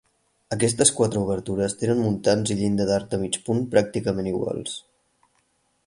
Aquestes quatre obertures tenen muntants i llinda d'arc de mig punt pràcticament iguals.